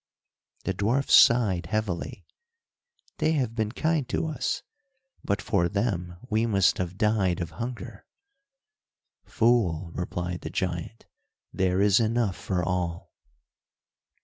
The dwarf sighed heavily. "They have been kind to us, but for them we must have died of hunger." "Fool," replied the giant, "there is enough for all."